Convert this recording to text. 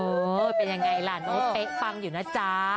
โอ้เป็นอย่างไรล่ะน้องเป๊ะฟังอยู่นะจ้า